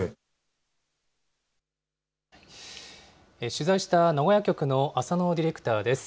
取材した名古屋局の浅野ディレクターです。